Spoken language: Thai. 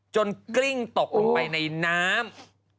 กลิ้งตกลงไปในน้ำ